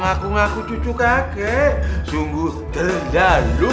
ngaku ngaku cucu kakek sungguh tenda